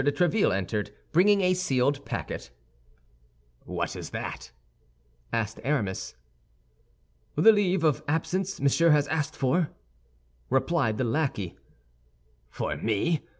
de Tréville entered, bringing a sealed packet. "What is that?" asked Aramis. "The leave of absence Monsieur has asked for," replied the lackey. "For me!